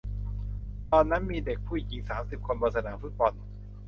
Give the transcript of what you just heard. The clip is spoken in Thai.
ตอนนั้นมีเด็กผู้หญิงสามสิบคนบนสนามฟุตบอล